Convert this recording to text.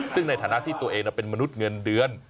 ซึ่งในฐานะที่ตัวเองเป็นมนุษย์เงินเดือน